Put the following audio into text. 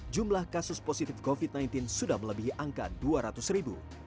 jumlah kasus positif covid sembilan belas sudah melebihi angka dua ratus ribu